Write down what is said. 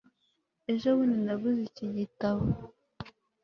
ejo bundi naguze iki gitabo